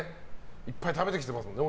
いっぱい食べてきてますもんね